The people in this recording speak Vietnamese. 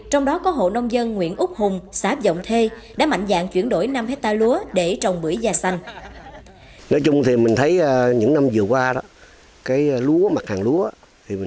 trong đó có hộ nông dân nguyễn úc hùng xã dọng thê đã mạnh dạng chuyển đổi năm hectare lúa để trồng bưởi da xanh